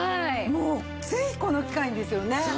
もうぜひこの機会にですよね。